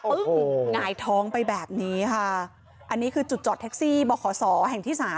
หงายท้องไปแบบนี้ค่ะอันนี้คือจุดจอดแท็กซี่บขศแห่งที่สาม